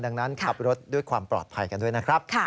ดังนั้นขับรถด้วยความปลอดภัยกันด้วยนะครับ